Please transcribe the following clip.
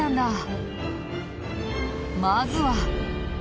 まずは。